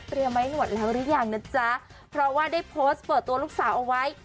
ไว้หนวดแล้วหรือยังนะจ๊ะเพราะว่าได้โพสต์เปิดตัวลูกสาวเอาไว้